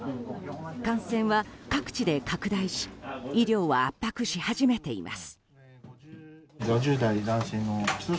感染は各地で拡大し医療を圧迫し始めています。